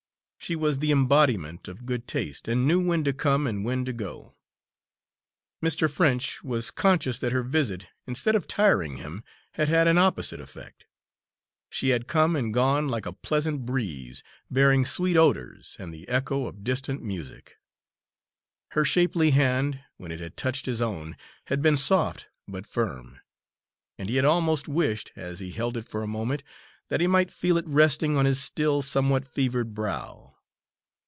She was the embodiment of good taste and knew when to come and when to go. Mr. French was conscious that her visit, instead of tiring him, had had an opposite effect; she had come and gone like a pleasant breeze, bearing sweet odours and the echo of distant music. Her shapely hand, when it had touched his own, had been soft but firm; and he had almost wished, as he held it for a moment, that he might feel it resting on his still somewhat fevered brow.